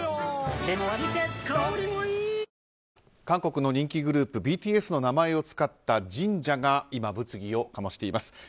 韓国の人気グループＢＴＳの名前を使った神社が物議を醸しています。